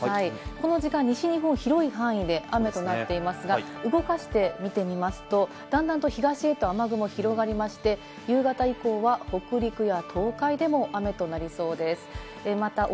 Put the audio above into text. この時間、西日本、広い範囲で雨となっていますが、動かしてみてみますと、だんだん東へ雨雲が広がりまして、夕方以降は北陸や東海でも雨となりそうです。